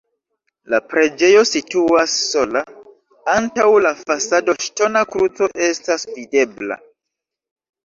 La preĝejo situas sola, antaŭ la fasado ŝtona kruco estas videbla.